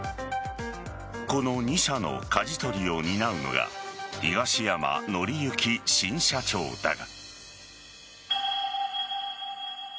この２社の舵取りを担うのが東山紀之新社長だが。